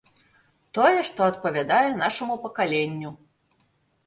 Тое, што адпавядае нашаму пакаленню.